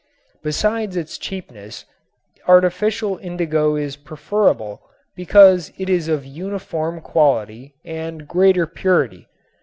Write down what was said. Besides its cheapness, artificial indigo is preferable because it is of uniform quality and greater purity.